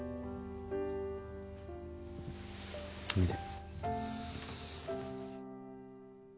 おいで。